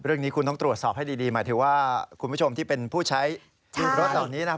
เรื่องนี้คุณต้องตรวจสอบให้ดีหมายถึงว่าคุณผู้ชมที่เป็นผู้ใช้รถเหล่านี้นะครับ